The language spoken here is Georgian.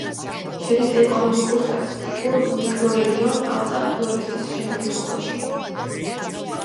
შედის ეკონომიკურ-სტატისტიკურ მიკრორეგიონ ალტა-ფლორესტის შემადგენლობაში.